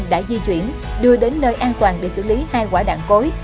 đã di chuyển đưa đến nơi an toàn để xử lý hai quả đạn cối